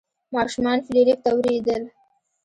ماشومان فلیریک ته ویرېدل.